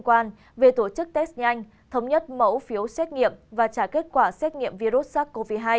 quan về tổ chức test nhanh thống nhất mẫu phiếu xét nghiệm và trả kết quả xét nghiệm virus sars cov hai